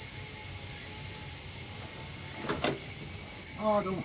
ああどうも。